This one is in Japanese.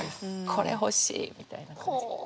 これ欲しいみたいな感じで。